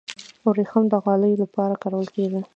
وریښم د غالیو لپاره کارول کیږي.